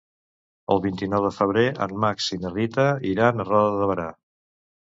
El vint-i-nou de febrer en Max i na Rita iran a Roda de Berà.